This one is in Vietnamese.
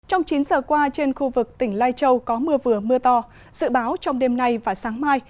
trong chín giờ qua trên khu vực tỉnh lai châu có mưa vừa mưa to dự báo trong đêm nay và sáng mai